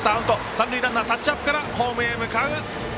三塁タッチアップからホームへ向かう。